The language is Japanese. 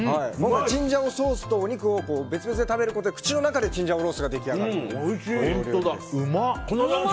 チンジャオソースとお肉を別々で食べることで口の中でチンジャオロースが出来上がるというお料理です。